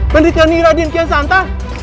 penelitian ini raden kiansanta